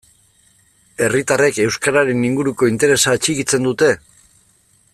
Herritarrek euskararen inguruko interesa atxikitzen dute?